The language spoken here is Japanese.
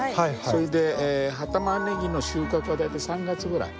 それで葉タマネギの収穫は大体３月ぐらい。